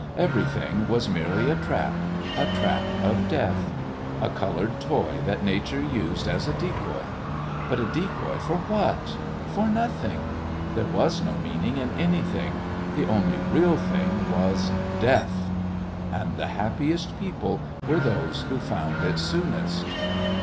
Everything was merely a trap a trap of death; a coloured toy that Nature used as a decoy! But a decoy for what? For nothing! There was no meaning in anything. The only real thing was DEATH. And the happiest people were those who found it soonest.